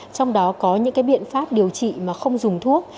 trong đó có những biện pháp điều trị mà không dùng thuốc